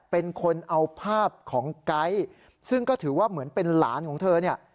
เป็นคนเอาภาพของไก๊ซึ่งก็ถือว่าเหมือนเป็นหลานของเธอเนี่ย